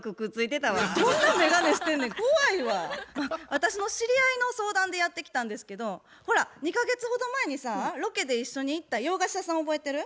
私の知り合いの相談でやって来たんですけどほら２か月ほど前にさロケで一緒に行った洋菓子屋さん覚えてる？